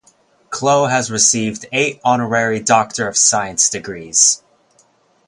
Clough has received eight honorary Doctor of Science degrees.